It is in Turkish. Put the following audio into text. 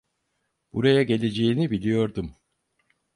Buraya geleceğini biliyordum.